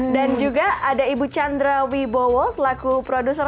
dan juga ada ibu chandra wibowo selaku produser